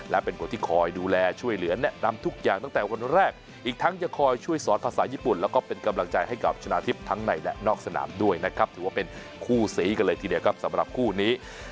และเป็นคนที่คอยดูแลช่วยเหลือแนะนำทุกอย่างตั้งแต่วันแรกอีกทั้งจะคอยช่วยสอนภาษาญี่ปุ่นแล้วก็เป็นกำลังใจให้กับชนะทิพย์ทั้งในและนอกสนามด้วยนะครับถือว่าเป็นคู่สีกันเลยทีเดียวครับสำหรับคู่นี้